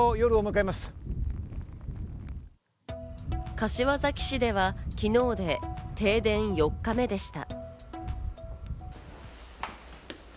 柏崎市では、昨日で停電４日目でした。